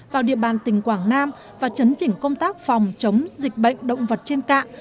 vào địa bàn tỉnh quảng nam và chấn chỉnh công tác phòng chống dịch bệnh động vật trên cạn